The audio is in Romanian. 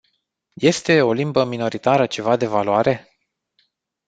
Este o limbă minoritară ceva de valoare?